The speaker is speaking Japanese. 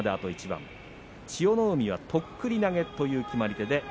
千代の海は、とっくり投げという決まり手です。